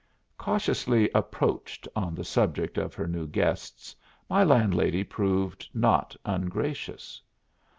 Cautiously "approached" on the subject of her new guests my landlady proved not ungracious.